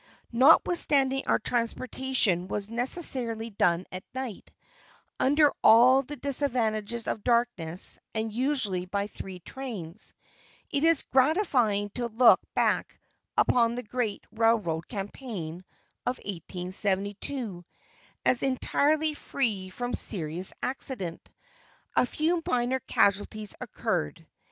Notwithstanding our transportation was necessarily done at night, under all the disadvantages of darkness and usually by three trains, it is gratifying to look back upon the great railroad campaign of 1872 as entirely free from serious accident. A few minor casualties occurred.